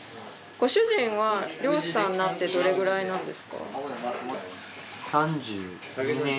ご主人は漁師さんになってどれくらいなんですか？